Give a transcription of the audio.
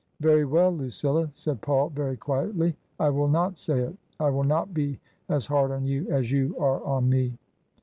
" Very well, Lucilla," said Paul, very quietly, " I will not say it. I will not be as hard on you as you are on me.